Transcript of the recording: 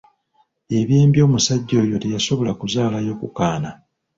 Eby'embi omusajja oyo teyasobola kuzaalayo ku kaana,